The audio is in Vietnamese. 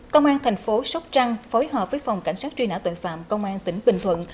công an thành phố sóc trăng phối hợp với phòng cảnh sát truy nã tội phạm công an tỉnh bình thuận